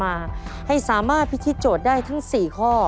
มาให้สามารถพิธีโจทย์ได้ทั้ง๔ข้อ